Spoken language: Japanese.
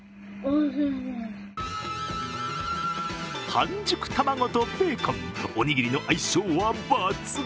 半熟卵とベーコン、おにぎりの相性は抜群。